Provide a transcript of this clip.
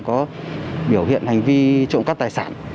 có biểu hiện hành vi trộm cắt tài sản